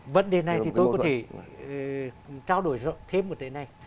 vấn đề này thì tôi có thể trao đổi thêm một cái này